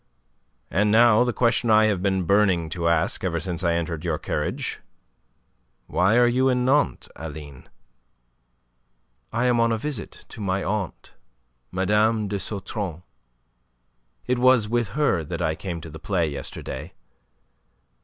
And now the question I have been burning to ask ever since I entered your carriage. Why are you in Nantes, Aline?" "I am on a visit to my aunt, Mme. de Sautron. It was with her that I came to the play yesterday.